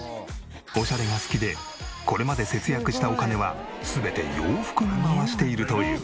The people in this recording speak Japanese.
オシャレが好きでこれまで節約したお金は全て洋服に回しているという。